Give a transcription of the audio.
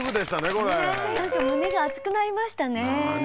これすてき胸が熱くなりましたね何？